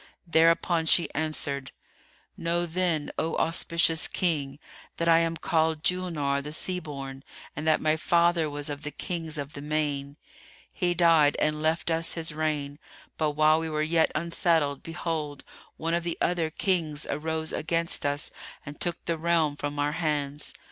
Thereupon she answered, "Know, then, O auspicious King, that I am called Julnár[FN#308] the Sea born and that my father was of the Kings of the Main. He died and left us his reign, but while we were yet unsettled, behold, one of the other Kings arose against us and took the realm from our hands.